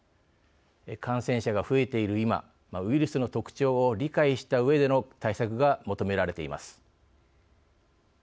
感染者が増えている今ウイルスの特徴を理解したうえでの対策が求められています。